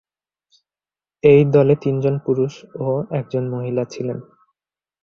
এই দলে তিনজন পুরুষ ও একজন মহিলা ছিলেন।